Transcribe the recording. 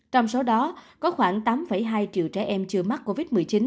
trong số đó có khoảng tám hai triệu trẻ em chưa mắc covid một mươi chín